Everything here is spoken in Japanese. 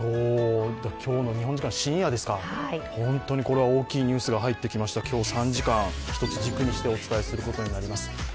今日の日本時間深夜ですか、本当にこれは大きなニュースが入ってきました、３時間、一つ、軸にしてお伝えすることになります。